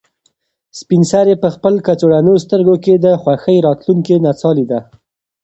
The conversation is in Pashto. سپین سرې په خپل کڅوړنو سترګو کې د خوښۍ راتلونکې نڅا لیده.